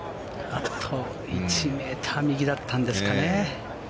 あと１ｍ右だったんですかね。